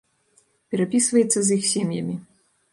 Перапісваецца з іх сем'ямі.